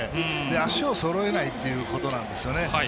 足をそろえないということなんですよね。